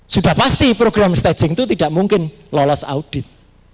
sudah pasti program staging itu tidak mungkin lolos audit